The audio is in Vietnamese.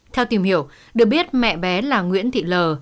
theo tìm hiểu được biết mẹ bé là nguyễn thị lờ